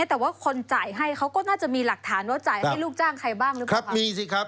แต่ว่าคนจ่ายให้เขาก็น่าจะมีหลักฐานว่าจ่ายให้ลูกจ้างใครบ้างหรือเปล่ามีสิครับ